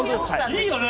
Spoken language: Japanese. いいよね。